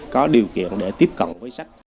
có điều kiện để tiếp cận với sách